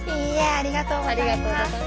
ありがとうございます。